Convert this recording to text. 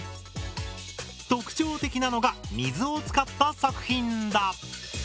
特徴的なのが水を使った作品だ。